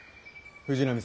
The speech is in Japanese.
藤波様。